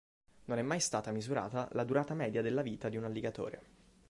Non è mai stata misurata la durata media della vita di un alligatore.